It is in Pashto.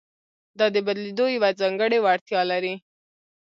دا د بدلېدو یوه ځانګړې وړتیا لري.